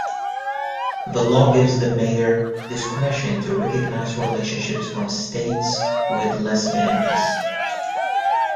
The law gives the mayor discretion to recognize relationships from states with lesser benefits.